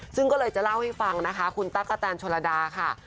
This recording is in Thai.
ซึ่งก็เลยจะเล่าให้ฟังนะคะคุณตั๊กกะแตนชนระดาค่ะ